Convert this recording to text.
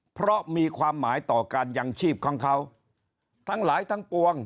เพราะมีความหมายต่อการยังชีพของเขาทั้งหลายทั้งปวง